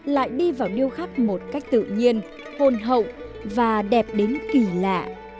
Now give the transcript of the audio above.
lại đi vào điêu khắc một cách tự nhiên hồn hậu và đẹp đến kỳ lạ